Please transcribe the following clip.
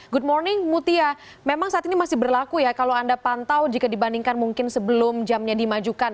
good morning mutia memang saat ini masih berlaku ya kalau anda pantau jika dibandingkan mungkin sebelum jamnya dimajukan